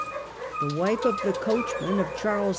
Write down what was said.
The wife of the coachman of Charles X.